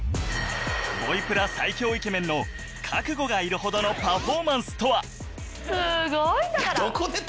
『ボイプラ』最強イケメンの覚悟がいるほどのパフォーマンスとは！？